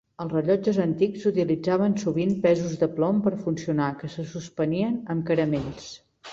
Els rellotges antics utilitzaven sovint pesos de plom per funcionar, que se suspenien amb caramells.